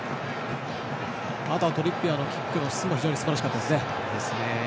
あとはトリッピアーのキックの質も非常にすばらしかったですね。